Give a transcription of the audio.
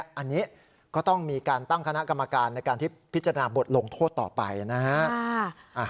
อันนี้ก็ต้องมีการตั้งคณะกรรมการในการที่พิจารณาบทลงโทษต่อไปนะฮะ